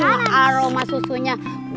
oh aroma susunya wangi